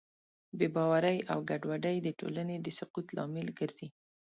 بېباورۍ او ګډوډۍ د ټولنې د سقوط لامل ګرځي.